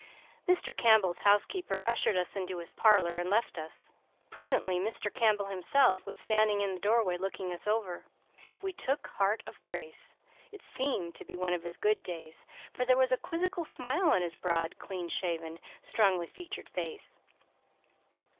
Mr. Campbell's housekeeper ushered us into his parlour and left us. Presently Mr. Campbell himself was standing in the doorway, looking us over. We took heart of grace. It seemed to be one of his good days, for there was a quizzical smile on his broad, clean shaven, strongly featured face.